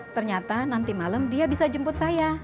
ternyata nanti malam dia bisa jemput saya